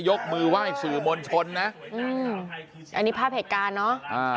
ยกมือไหว้สื่อมลชนนะอันนี้ภาพเหตุงานเนอะ